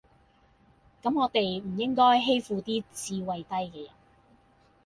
咁我地唔應該欺負啲智慧低嘅人